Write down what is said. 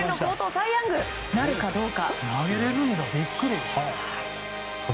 サイ・ヤングなるかどうか。